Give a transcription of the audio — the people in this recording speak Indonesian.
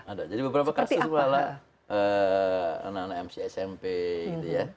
ada jadi beberapa kasus malah anak anak mc smp gitu ya